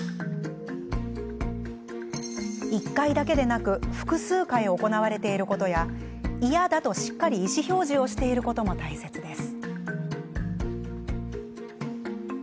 １回だけでなく複数回、行われていることや「嫌だ」と、しっかり意思表示をしていることも大切です。